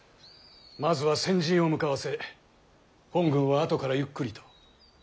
まずは先陣を向かわせ本軍は後からゆっくりと。